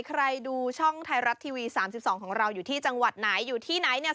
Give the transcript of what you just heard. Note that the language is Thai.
ใครดูช่องไทยรัฐทีวี๓๒ของเราอยู่ที่จังหวัดไหนอยู่ที่ไหนเนี่ย